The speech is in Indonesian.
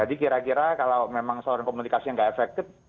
jadi kira kira kalau memang saluran komunikasi yang tidak efektif